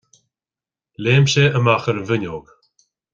Léim sé amach ar an bhfuinneog.